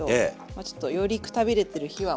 あちょっとよりくたびれてる日はもう。